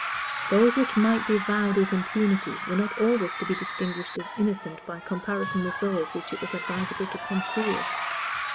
Those which might be avowed with impunity were not always to be distinguished as innocent by comparison with those which it was advisable to conceal.